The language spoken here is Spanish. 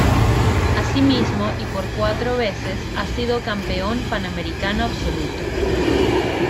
Asimismo y por cuatro veces ha sido Campeón Panamericano Absoluto.